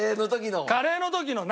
カレーの時の？